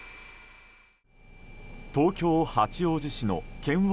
東京・八王子市の圏央